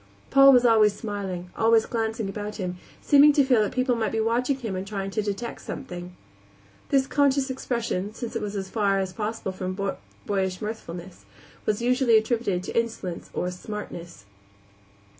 Paul was always smiling, always glancing about him, seeming to feel that people might be watching him and trying to detect something. This conscious expression, since it was as far as possible from boyish mirthfulness, was usually attributed to insolence or "smartness."